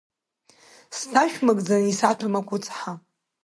Сҭашәмыгӡан исаҭәам акәыцҳа.